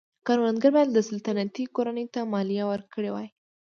کروندګرو باید سلطنتي کورنۍ ته مالیه ورکړې وای.